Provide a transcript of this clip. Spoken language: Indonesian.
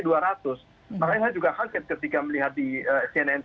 makanya saya juga khawatir ketika melihat di cnnc